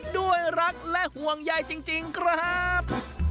ด้วยรักและห่วงใยจริงครับ